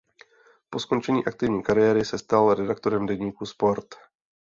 Po skončení aktivní kariéry se stal redaktorem deníku Sport.